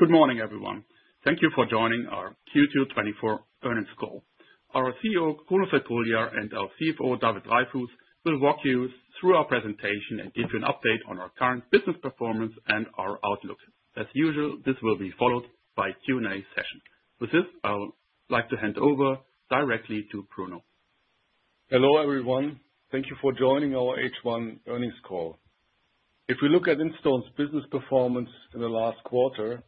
Good morning, everyone. Thank you for joining our Q2 2024 earnings call. Our CEO, Kruno Crepulja, and our CFO, David Dreyfus, will walk you through our presentation and give you an update on our current business performance and our outlook. As usual, this will be followed by a Q&A session. With this, I would like to hand over directly to Kruno. Hello, everyone. Thank you for joining our H1 earnings call. If we look at Instone's business performance in the last quarter,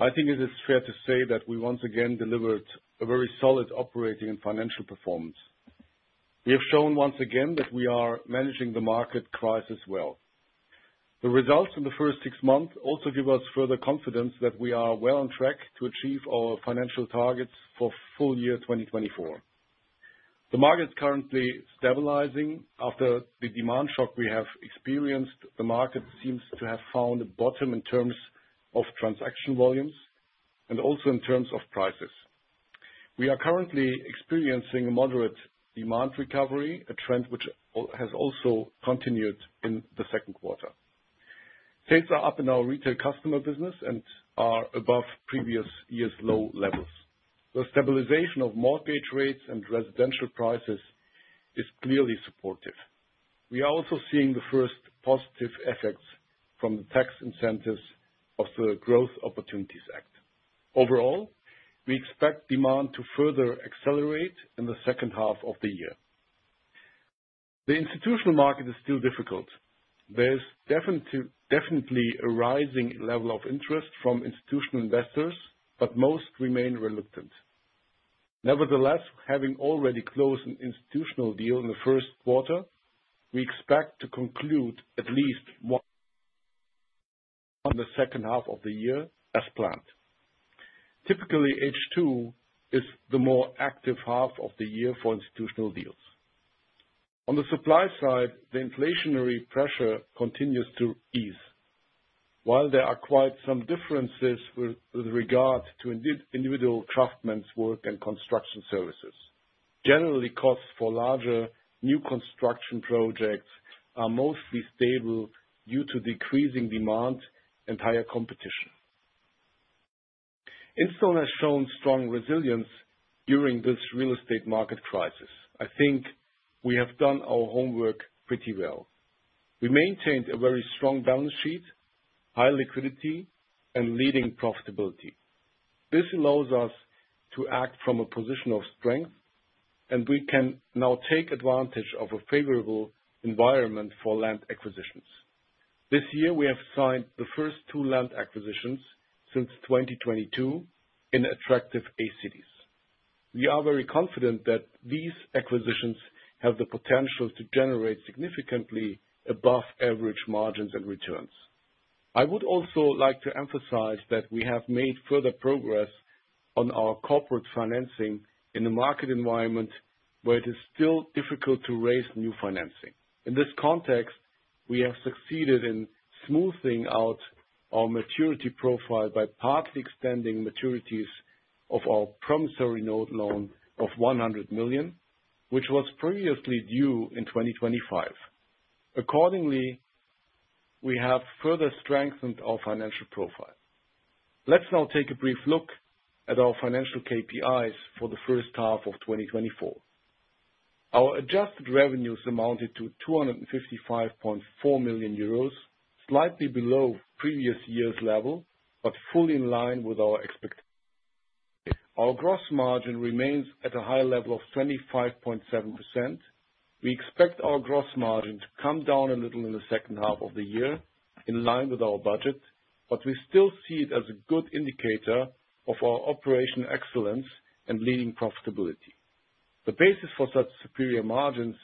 I think it is fair to say that we once again delivered a very solid operating and financial performance. We have shown once again that we are managing the market crisis well. The results in the first six months also give us further confidence that we are well on track to achieve our financial targets for full year 2024. The market is currently stabilizing. After the demand shock we have experienced, the market seems to have found a bottom in terms of transaction volumes and also in terms of prices. We are currently experiencing a moderate demand recovery, a trend which has also continued in the second quarter. Sales are up in our retail customer business and are above previous year's low levels. The stabilization of mortgage rates and residential prices is clearly supportive. We are also seeing the first positive effects from the tax incentives of the Growth Opportunities Act. Overall, we expect demand to further accelerate in the second half of the year. The institutional market is still difficult. There is definitely a rising level of interest from institutional investors, but most remain reluctant. Nevertheless, having already closed an institutional deal in the first quarter, we expect to conclude at least one in the second half of the year as planned. Typically, H2 is the more active half of the year for institutional deals. On the supply side, the inflationary pressure continues to ease, while there are quite some differences with regard to individual craftsmen's work and construction services. Generally, costs for larger new construction projects are mostly stable due to decreasing demand and higher competition. Instone has shown strong resilience during this real estate market crisis. I think we have done our homework pretty well. We maintained a very strong balance sheet, high liquidity, and leading profitability. This allows us to act from a position of strength, and we can now take advantage of a favorable environment for land acquisitions. This year, we have signed the first two land acquisitions since 2022 in attractive A cities. We are very confident that these acquisitions have the potential to generate significantly above-average margins and returns. I would also like to emphasize that we have made further progress on our corporate financing in a market environment where it is still difficult to raise new financing. In this context, we have succeeded in smoothing out our maturity profile by partly extending maturities of our promissory note loan of 100 million, which was previously due in 2025. Accordingly, we have further strengthened our financial profile. Let's now take a brief look at our financial KPIs for the first half of 2024. Our adjusted revenues amounted to 255.4 million euros, slightly below previous year's level, but fully in line with our expectations. Our gross margin remains at a high level of 25.7%. We expect our gross margin to come down a little in the second half of the year in line with our budget, but we still see it as a good indicator of our operational excellence and leading profitability. The basis for such superior margins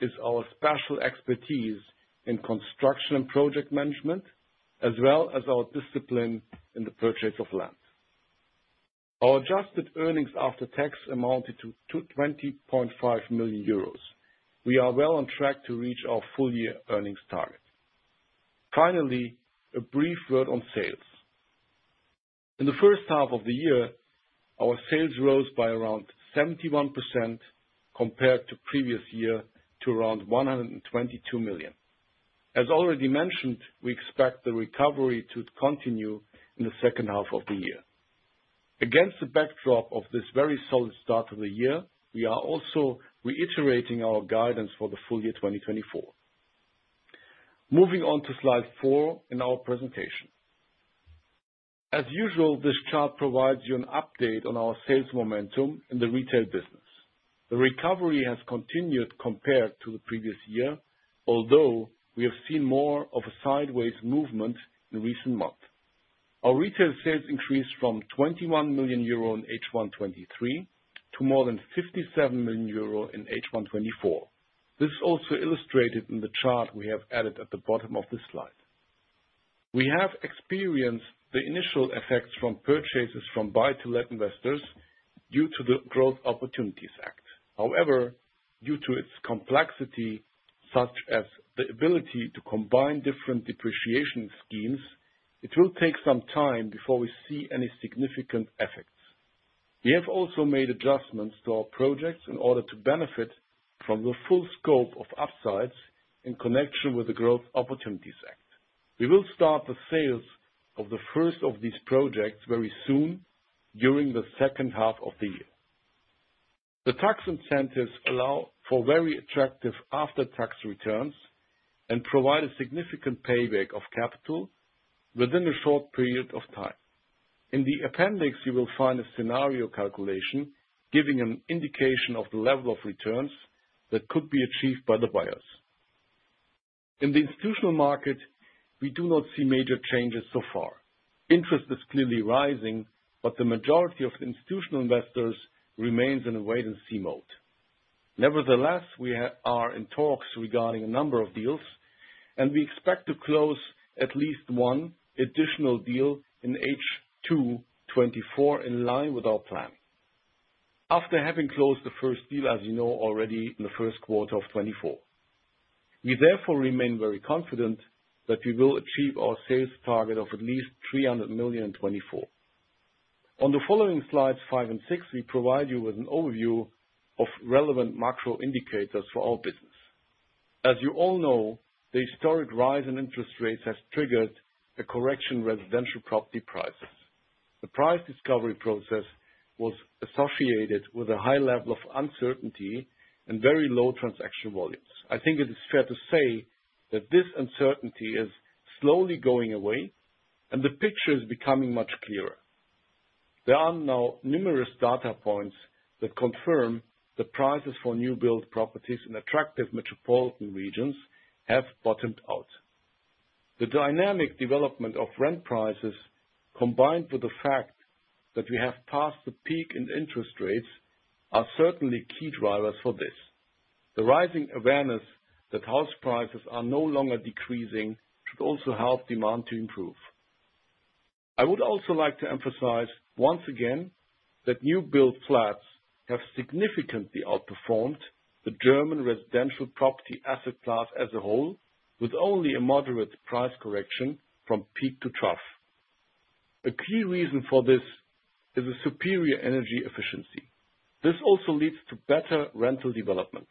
is our special expertise in construction and project management, as well as our discipline in the purchase of land. Our adjusted earnings after tax amounted to 20.5 million euros. We are well on track to reach our full year earnings target. Finally, a brief word on sales. In the first half of the year, our sales rose by around 71% compared to previous year to around 122 million. As already mentioned, we expect the recovery to continue in the second half of the year. Against the backdrop of this very solid start of the year, we are also reiterating our guidance for the full year 2024. Moving on to slide 4 in our presentation. As usual, this chart provides you an update on our sales momentum in the retail business. The recovery has continued compared to the previous year, although we have seen more of a sideways movement in recent months. Our retail sales increased from 21 million euro in H1 2023 to more than 57 million euro in H1 2024. This is also illustrated in the chart we have added at the bottom of the slide. We have experienced the initial effects from purchases from buy-to-let investors due to the Growth Opportunities Act. However, due to its complexity, such as the ability to combine different depreciation schemes, it will take some time before we see any significant effects. We have also made adjustments to our projects in order to benefit from the full scope of upsides in connection with the Growth Opportunities Act. We will start the sales of the first of these projects very soon during the second half of the year. The tax incentives allow for very attractive after-tax returns and provide a significant payback of capital within a short period of time. In the appendix, you will find a scenario calculation giving an indication of the level of returns that could be achieved by the buyers. In the institutional market, we do not see major changes so far. Interest is clearly rising, but the majority of institutional investors remains in a wait-and-see mode. Nevertheless, we are in talks regarding a number of deals, and we expect to close at least one additional deal in H2 2024 in line with our plan, after having closed the first deal, as you know already, in the first quarter of 2024. We therefore remain very confident that we will achieve our sales target of at least 300 million in 2024. On the following slides, five and six, we provide you with an overview of relevant macro indicators for our business. As you all know, the historic rise in interest rates has triggered a correction in residential property prices. The price discovery process was associated with a high level of uncertainty and very low transaction volumes. I think it is fair to say that this uncertainty is slowly going away, and the picture is becoming much clearer. There are now numerous data points that confirm the prices for new-build properties in attractive metropolitan regions have bottomed out. The dynamic development of rent prices, combined with the fact that we have passed the peak in interest rates, are certainly key drivers for this. The rising awareness that house prices are no longer decreasing should also help demand to improve. I would also like to emphasize once again that new-build flats have significantly outperformed the German residential property asset class as a whole, with only a moderate price correction from peak to trough. A key reason for this is the superior energy efficiency. This also leads to better rental development.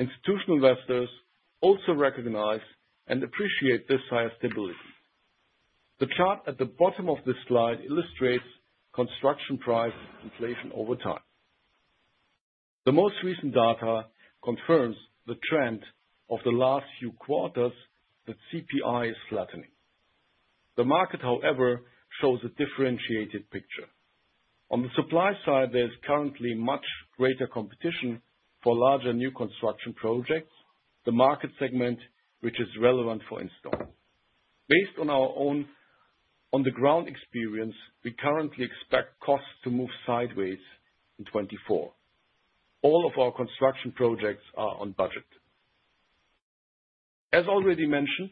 Institutional investors also recognize and appreciate this higher stability. The chart at the bottom of this slide illustrates construction price inflation over time. The most recent data confirms the trend of the last few quarters that CPI is flattening. The market, however, shows a differentiated picture. On the supply side, there is currently much greater competition for larger new construction projects, the market segment which is relevant for Instone. Based on our own on-the-ground experience, we currently expect costs to move sideways in 2024. All of our construction projects are on budget. As already mentioned,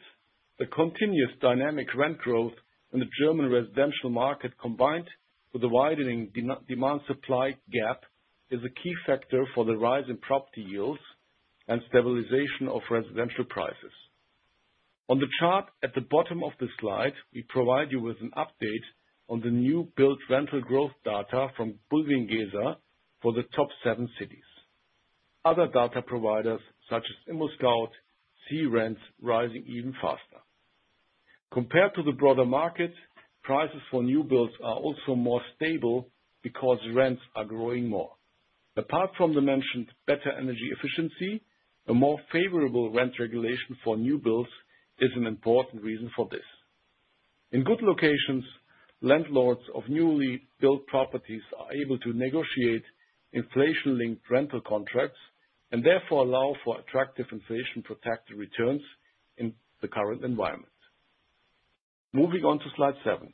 the continuous dynamic rent growth in the German residential market, combined with the widening demand-supply gap, is a key factor for the rise in property yields and stabilization of residential prices. On the chart at the bottom of the slide, we provide you with an update on the new-build rental growth data from Bulwiengesa for the top seven cities. Other data providers such as ImmoScout see rents rising even faster. Compared to the broader market, prices for new builds are also more stable because rents are growing more. Apart from the mentioned better energy efficiency, a more favorable rent regulation for new builds is an important reason for this. In good locations, landlords of newly built properties are able to negotiate inflation-linked rental contracts and therefore allow for attractive inflation-protected returns in the current environment. Moving on to slide seven.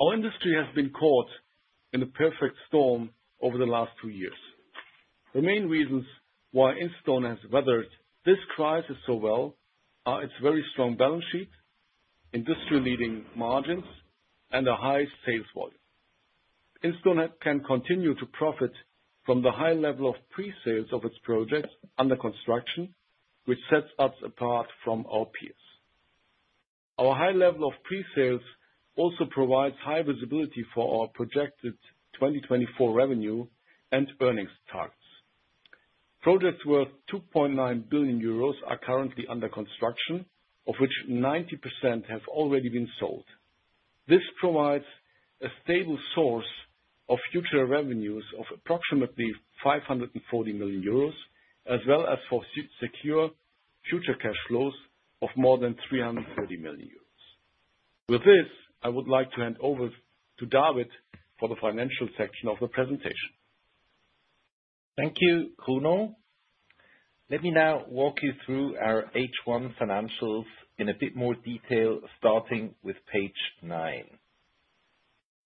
Our industry has been caught in a perfect storm over the last two years. The main reasons why Instone has weathered this crisis so well are its very strong balance sheet, industry-leading margins, and a high sales volume. Instone can continue to profit from the high level of pre-sales of its projects under construction, which sets us apart from our peers. Our high level of pre-sales also provides high visibility for our projected 2024 revenue and earnings targets. Projects worth 2.9 billion euros are currently under construction, of which 90% have already been sold. This provides a stable source of future revenues of approximately 540 million euros, as well as for secure future cash flows of more than 330 million euros. With this, I would like to hand over to David for the financial section of the presentation. Thank you, Kruno. Let me now walk you through our H1 financials in a bit more detail, starting with page nine.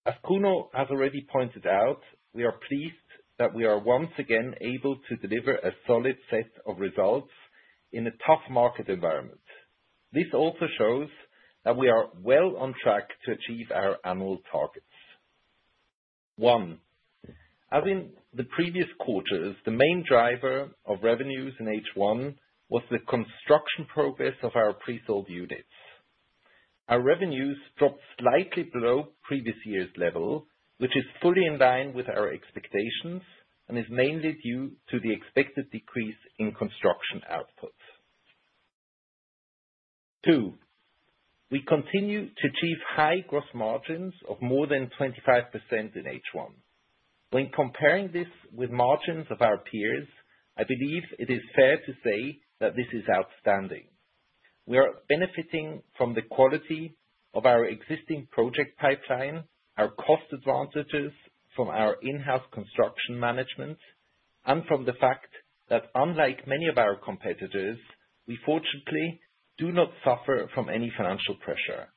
As Kruno has already pointed out, we are pleased that we are once again able to deliver a solid set of results in a tough market environment. This also shows that we are well on track to achieve our annual targets. One, as in the previous quarters, the main driver of revenues in H1 was the construction progress of our pre-sold units. Our revenues dropped slightly below previous year's level, which is fully in line with our expectations and is mainly due to the expected decrease in construction output. Two, we continue to achieve high gross margins of more than 25% in H1. When comparing this with margins of our peers, I believe it is fair to say that this is outstanding. We are benefiting from the quality of our existing project pipeline, our cost advantages from our in-house construction management, and from the fact that, unlike many of our competitors, we fortunately do not suffer from any financial pressure.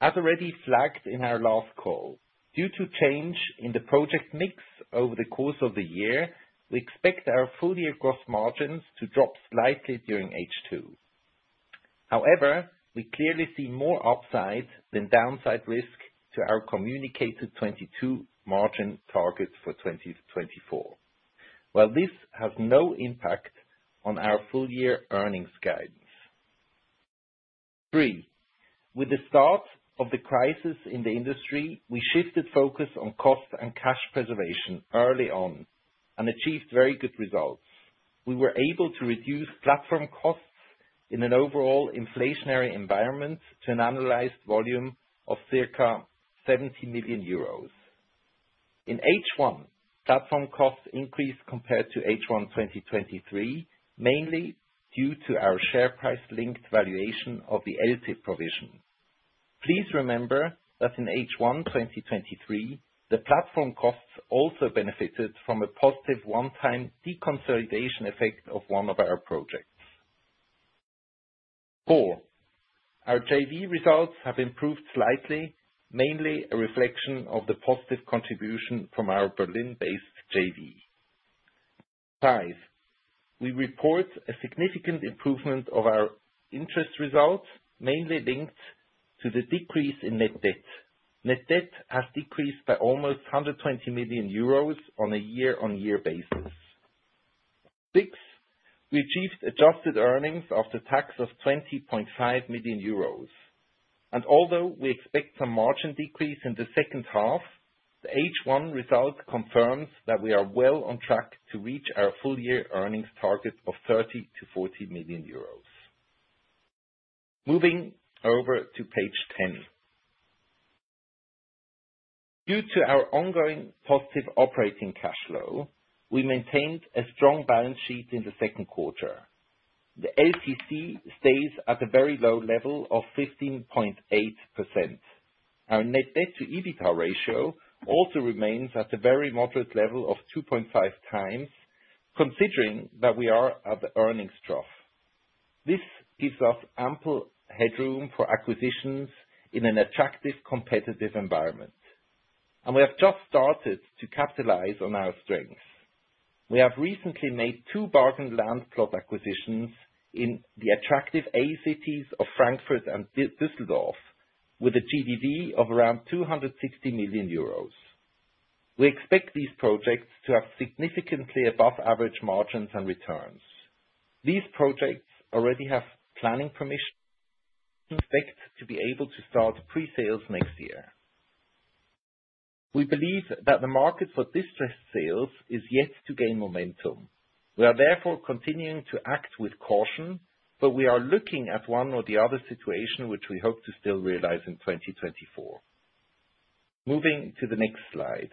As already flagged in our last call, due to change in the project mix over the course of the year, we expect our full year gross margins to drop slightly during H2. However, we clearly see more upside than downside risk to our communicated 2022 margin target for 2024, while this has no impact on our full year earnings guidance. Three, with the start of the crisis in the industry, we shifted focus on cost and cash preservation early on and achieved very good results. We were able to reduce platform costs in an overall inflationary environment to an analyzed volume of circa 70 million euros. In H1, platform costs increased compared to H1 2023, mainly due to our share price-linked valuation of the LTIP provision. Please remember that in H1 2023, the platform costs also benefited from a positive one-time de-consolidation effect of one of our projects. Four, our JV results have improved slightly, mainly a reflection of the positive contribution from our Berlin-based JV. Five, we report a significant improvement of our interest results, mainly linked to the decrease in net debt. Net debt has decreased by almost 120 million euros on a year-on-year basis. six, we achieved adjusted earnings after tax of 20.5 million euros. And although we expect some margin decrease in the second half, the H1 result confirms that we are well on track to reach our full year earnings target of 30 million-40 million euros. Moving over to page 10. Due to our ongoing positive operating cash flow, we maintained a strong balance sheet in the second quarter. The LTC stays at a very low level of 15.8%. Our net debt to EBITDA ratio also remains at a very moderate level of 2.5x, considering that we are at the earnings trough. This gives us ample headroom for acquisitions in an attractive competitive environment. We have just started to capitalize on our strengths. We have recently made 2 bargain land plot acquisitions in the attractive A cities of Frankfurt and Düsseldorf, with a GDV of around 260 million euros. We expect these projects to have significantly above-average margins and returns. These projects already have planning permission. Expect to be able to start pre-sales next year. We believe that the market for distressed sales is yet to gain momentum. We are therefore continuing to act with caution, but we are looking at one or the other situation, which we hope to still realize in 2024. Moving to the next slide.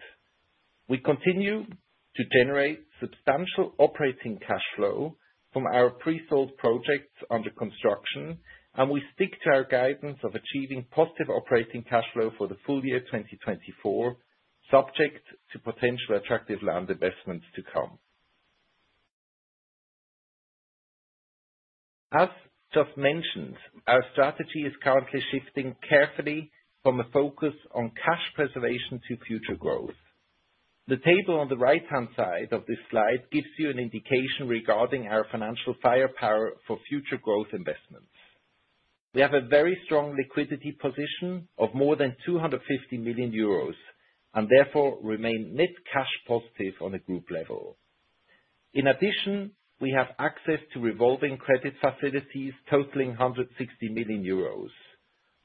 We continue to generate substantial operating cash flow from our pre-sold projects under construction, and we stick to our guidance of achieving positive operating cash flow for the full year 2024, subject to potential attractive land investments to come. As just mentioned, our strategy is currently shifting carefully from a focus on cash preservation to future growth. The table on the right-hand side of this slide gives you an indication regarding our financial firepower for future growth investments. We have a very strong liquidity position of more than 250 million euros and therefore remain net cash positive on a group level. In addition, we have access to revolving credit facilities totaling 160 million euros.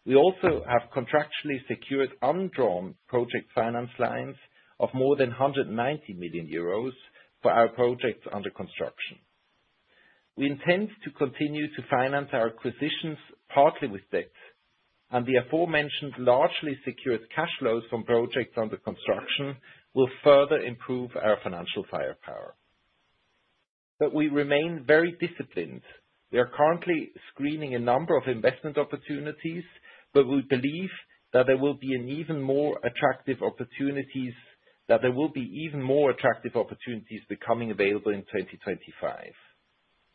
We also have contractually secured undrawn project finance lines of more than 190 million euros for our projects under construction. We intend to continue to finance our acquisitions partly with debt, and the aforementioned largely secured cash flows from projects under construction will further improve our financial firepower. But we remain very disciplined. We are currently screening a number of investment opportunities, but we believe that there will be an even more attractive opportunities, that there will be even more attractive opportunities becoming available in 2025.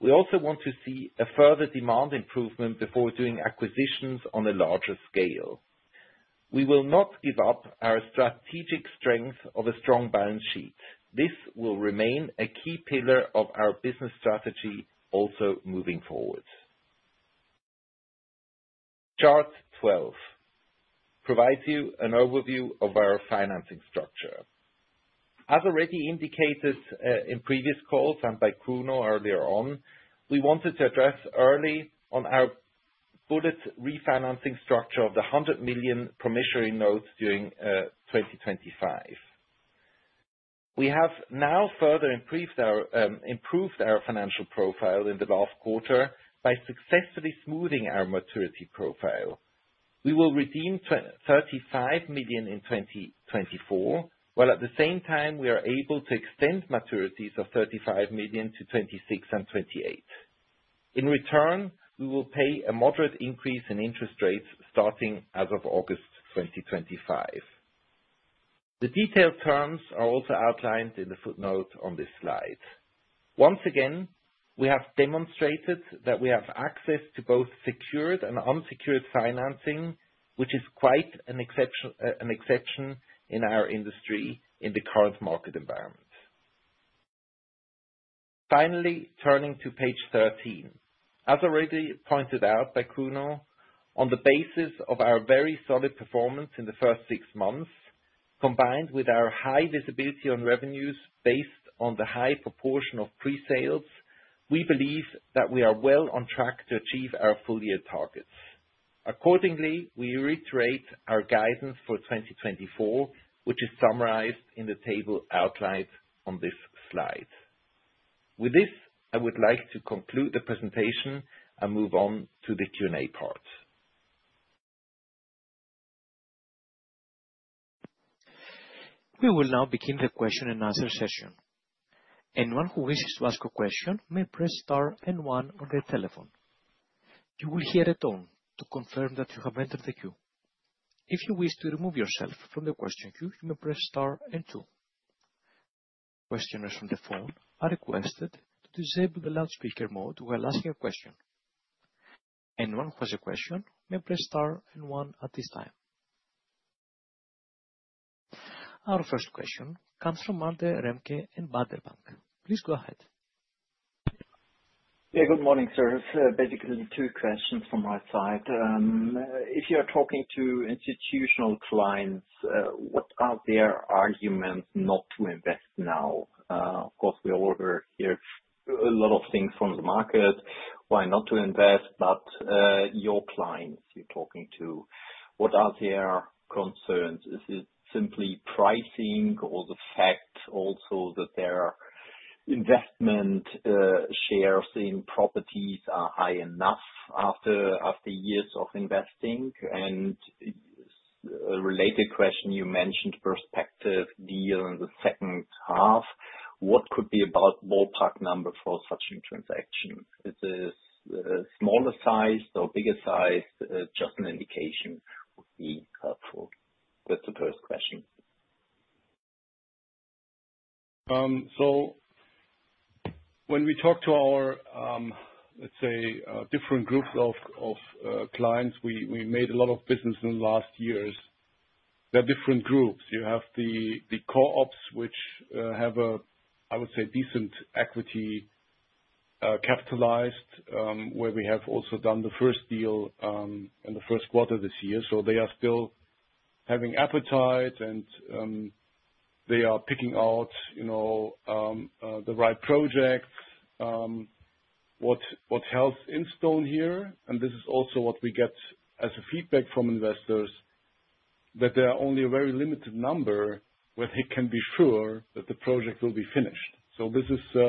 We also want to see a further demand improvement before doing acquisitions on a larger scale. We will not give up our strategic strength of a strong balance sheet. This will remain a key pillar of our business strategy also moving forward. Chart 12 provides you an overview of our financing structure. As already indicated in previous calls and by Kruno earlier on, we wanted to address early on our bullet refinancing structure of the 100 million promissory notes during 2025. We have now further improved our financial profile in the last quarter by successfully smoothing our maturity profile. We will redeem 35 million in 2024, while at the same time, we are able to extend maturities of 35 million to 2026 and 2028. In return, we will pay a moderate increase in interest rates starting as of August 2025. The detailed terms are also outlined in the footnote on this slide. Once again, we have demonstrated that we have access to both secured and unsecured financing, which is quite an exception in our industry in the current market environment. Finally, turning to page 13. As already pointed out by Kruno, on the basis of our very solid performance in the first six months, combined with our high visibility on revenues based on the high proportion of pre-sales, we believe that we are well on track to achieve our full year targets. Accordingly, we reiterate our guidance for 2024, which is summarized in the table outlined on this slide. With this, I would like to conclude the presentation and move on to the Q&A part. We will now begin the question and answer session. Anyone who wishes to ask a question may press star and one on their telephone. You will hear a tone to confirm that you have entered the queue. If you wish to remove yourself from the question queue, you may press star and two. Questioners from the phone are requested to disable the loudspeaker mode while asking a question. Anyone who has a question may press star and one at this time. Our first question comes from Andre Remke and Baader Bank. Please go ahead. Yeah, good morning, sir. Basically, two questions from my side. If you're talking to institutional clients, what are their arguments not to invest now? Of course, we all overhear a lot of things from the market, why not to invest, but your clients you're talking to, what are their concerns? Is it simply pricing or the fact also that their investment shares in properties are high enough after years of investing? And a related question you mentioned, prospective deal in the second half, what could be a ballpark number for such a transaction? Is it smaller size or bigger size? Just an indication would be helpful. That's the first question. So when we talk to our, let's say, different groups of clients, we made a lot of business in the last years. There are different groups. You have the co-ops, which have a, I would say, decent equity capitalized, where we have also done the first deal in the first quarter this year. So they are still having appetite, and they are picking out the right projects. What's set in stone here, and this is also what we get as feedback from investors, that there are only a very limited number where they can be sure that the project will be finished. So this is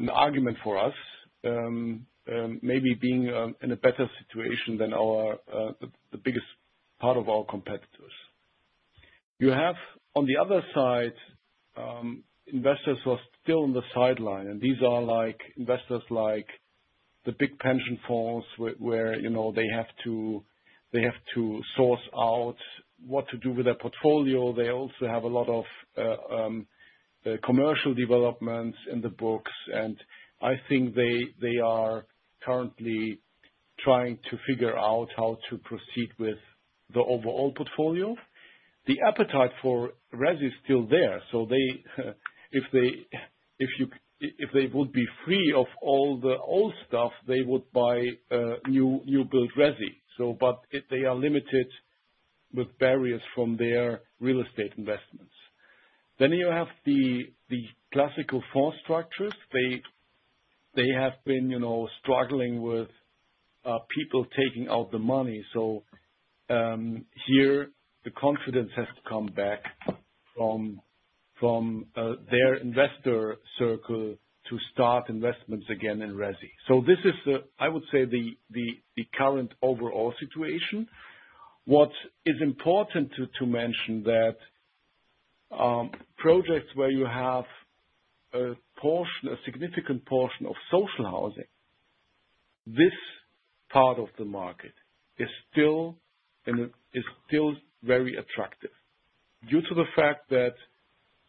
an argument for us, maybe being in a better situation than the biggest part of our competitors. You have, on the other side, investors who are still on the sideline, and these are investors like the big pension funds where they have to source out what to do with their portfolio. They also have a lot of commercial developments in the books, and I think they are currently trying to figure out how to proceed with the overall portfolio. The appetite for resi is still there. So if they would be free of all the old stuff, they would buy new-built resi. But they are limited with barriers from their real estate investments. Then you have the classical fund structures. They have been struggling with people taking out the money. So here, the confidence has to come back from their investor circle to start investments again in resi. So this is, I would say, the current overall situation. What is important to mention is that projects where you have a significant portion of social housing, this part of the market is still very attractive due to the fact that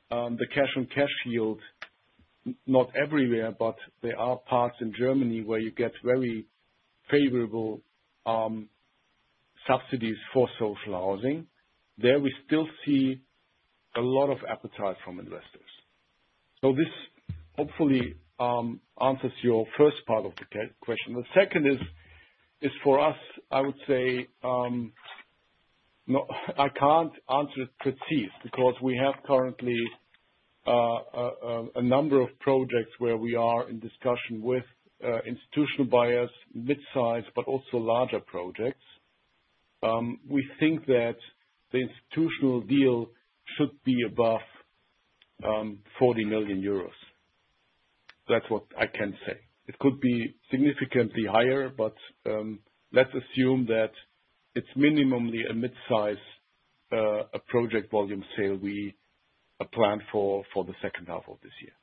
the cash-on-cash yield, not everywhere, but there are parts in Germany where you get very favorable subsidies for social housing. There we still see a lot of appetite from investors. So this hopefully answers your first part of the question. The second is for us, I would say, I can't answer it precisely because we have currently a number of projects where we are in discussion with institutional buyers, mid-size, but also larger projects. We think that the institutional deal should be above 40 million euros. That's what I can say. It could be significantly higher, but let's assume that it's minimally a mid-size project volume sale we plan for the second half of this year.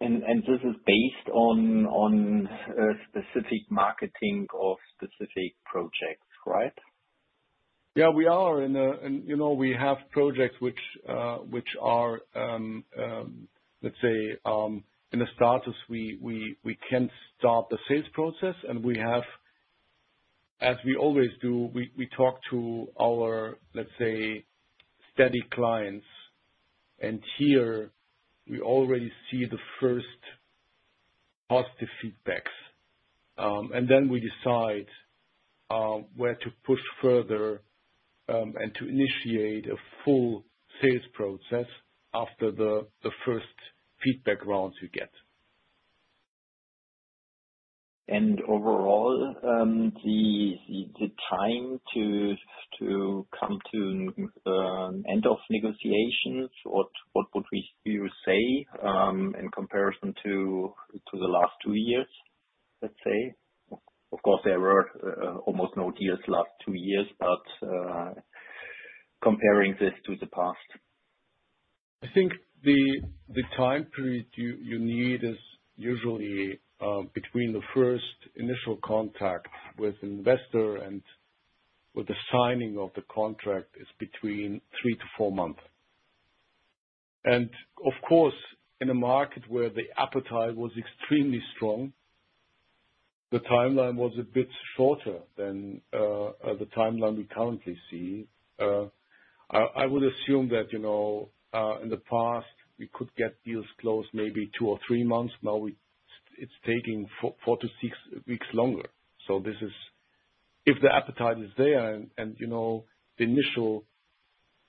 This is based on a specific marketing of specific projects, right? Yeah, we are. We have projects which are, let's say, in the status we can't start the sales process. We have, as we always do, we talk to our, let's say, steady clients. Here, we already see the first positive feedbacks. Then we decide where to push further and to initiate a full sales process after the first feedback rounds we get. Overall, the time to come to end of negotiations, what would you say in comparison to the last two years, let's say? Of course, there were almost no deals last two years, but comparing this to the past. I think the time period you need is usually between the first initial contact with an investor and with the signing of the contract is between three to four months. Of course, in a market where the appetite was extremely strong, the timeline was a bit shorter than the timeline we currently see. I would assume that in the past, we could get deals closed maybe 2 or 3 months. Now, it's taking 4-6 weeks longer. So if the appetite is there and the initial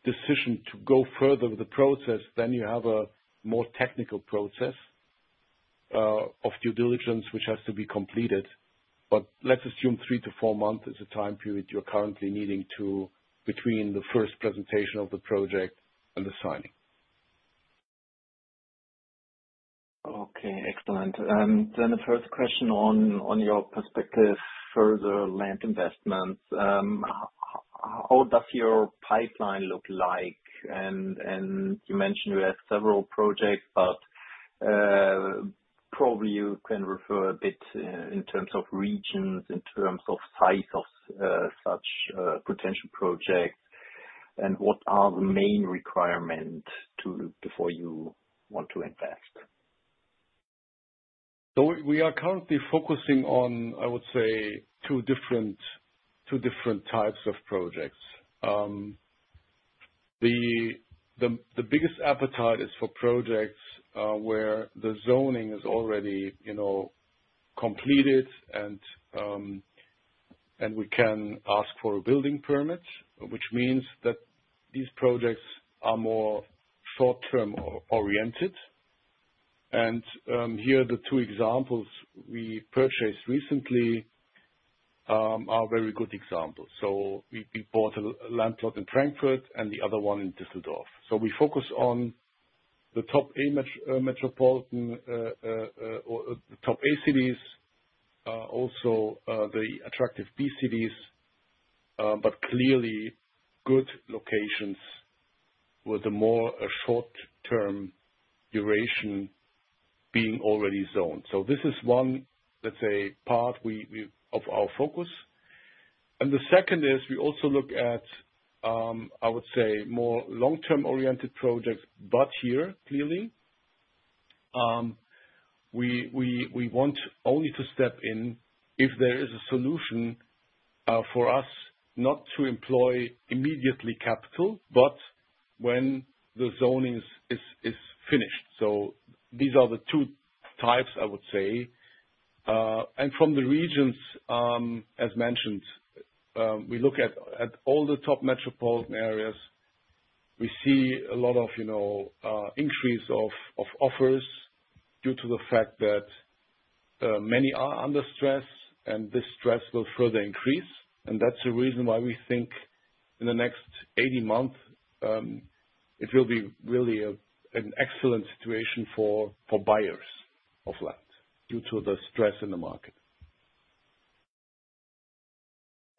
decision to go further with the process, then you have a more technical process of due diligence, which has to be completed. But let's assume 3-4 months is the time period you're currently needing between the first presentation of the project and the signing. Okay, excellent. Then the first question on your perspective further land investments, how does your pipeline look like? You mentioned you have several projects, but probably you can refer a bit in terms of regions, in terms of size of such potential projects, and what are the main requirements before you want to invest? We are currently focusing on, I would say, two different types of projects. The biggest appetite is for projects where the zoning is already completed and we can ask for a building permit, which means that these projects are more short-term oriented. Here, the two examples we purchased recently are very good examples. We bought a land plot in Frankfurt and the other one in Düsseldorf. We focus on the top A metropolitan or the top A cities, also the attractive B cities, but clearly good locations with a more short-term duration being already zoned. This is one, let's say, part of our focus. And the second is we also look at, I would say, more long-term oriented projects, but here clearly, we want only to step in if there is a solution for us not to employ immediately capital, but when the zoning is finished. So these are the two types, I would say. And from the regions, as mentioned, we look at all the top metropolitan areas. We see a lot of increase of offers due to the fact that many are under stress, and this stress will further increase. And that's the reason why we think in the next 80 months, it will be really an excellent situation for buyers of land due to the stress in the market.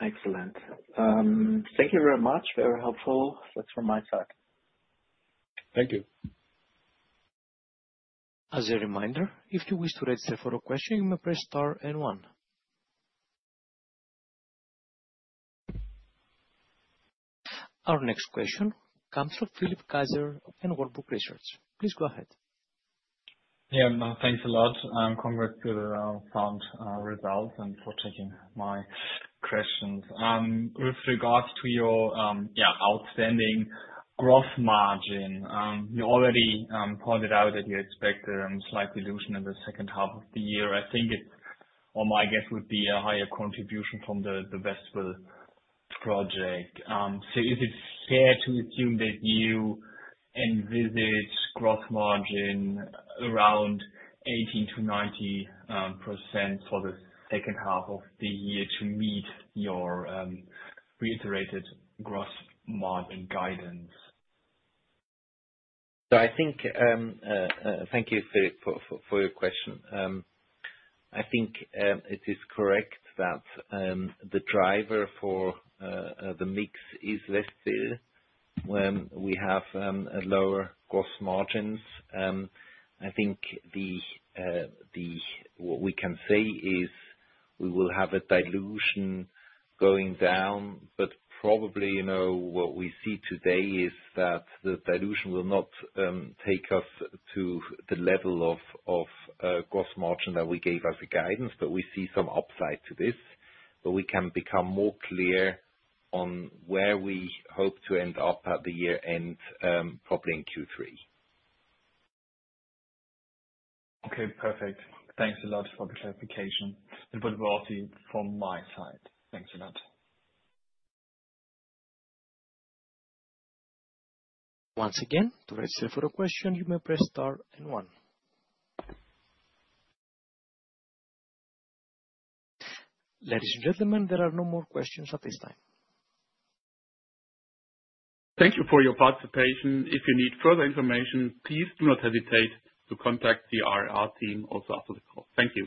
Excellent. Thank you very much. Very helpful. That's from my side. Thank you. As a reminder, if you wish to register for a question, you may press star and one. Our next question comes from Philipp Kaiser and Warburg Research. Please go ahead. Yeah, thanks a lot. Congrats to the found results and for taking my questions. With regards to your outstanding gross margin, you already pointed out that you expect a slight dilution in the second half of the year. I think it's, or my guess would be, a higher contribution from the Westville project. So is it fair to assume that you envisage gross margin around 18%-90% for the second half of the year to meet your reiterated gross margin guidance? So I think thank you for your question. I think it is correct that the driver for the mix is Westville when we have lower gross margins. I think what we can say is we will have a dilution going down, but probably what we see today is that the dilution will not take us to the level of gross margin that we gave as a guidance, but we see some upside to this. But we can become more clear on where we hope to end up at the year end, probably in Q3. Okay, perfect. Thanks a lot for the clarification. And good work from my side. Thanks a lot. Once again, to register for a question, you may press star and one. Ladies and gentlemen, there are no more questions at this time. Thank you for your participation. If you need further information, please do not hesitate to contact the R&R team also after the call. Thank you.